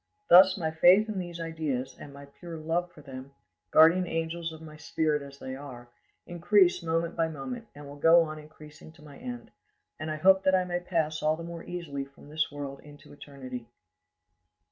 Thus my faith in these ideas and my pure love far them, guardian angels of my spirit as they are, increase moment by moment, and will go on increasing to my end, and I hope that I may pass all the more easily from this world into eternity.